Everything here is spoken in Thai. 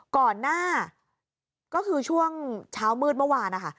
ก่อนหน้าก็คือช่วงเช้ามืดเมื่อวานนะคะ